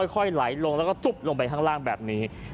ค่อยไหลลงแล้วก็จุ๊บลงไปข้างล่างแบบนี้